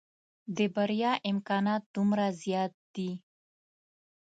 د بريا امکانات دومره زيات دي.